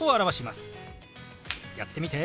やってみて。